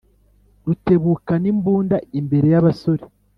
rutebukanimbunda imbere y'abasore